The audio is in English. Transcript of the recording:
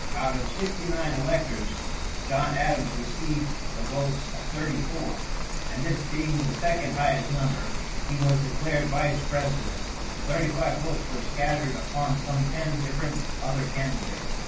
Out of sixty nine electors, John Adams received the votes of thirty four; and this being the second highest number, he was declared vice president. The thirty five votes were scattered upon some ten different other candidates.